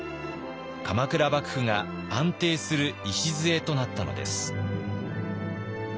鎌倉幕府が安定する礎となったのです。